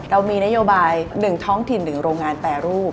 เรามีนโยบายหนึ่งท้องถิ่นหนึ่งโรงงานแปรรูป